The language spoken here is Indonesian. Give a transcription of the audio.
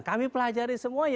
kami pelajari semuanya